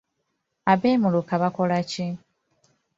Abeemiruka bakola ki?